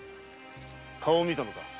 顔を見たのか？